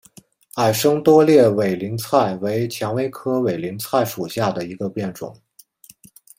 矮生多裂委陵菜为蔷薇科委陵菜属下的一个变种。